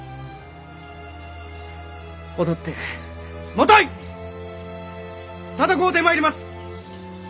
踊ってもとい戦うてまいります！